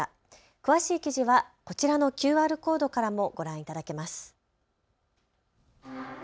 詳しい記事はこちらのＱＲコードからもご覧いただけます。